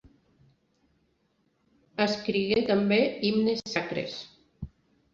Escrigué també himnes sacres.